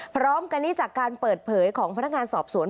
พร้อมกันนี้จากการเปิดเผยของพนักงานสอบสวน